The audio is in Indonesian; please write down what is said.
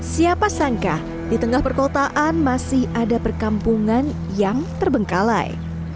siapa sangka di tengah perkotaan masih ada perkampungan yang terbengkalai